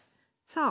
さあ